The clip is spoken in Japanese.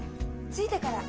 着いてから。